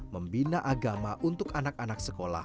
membina agama untuk anak anak sekolah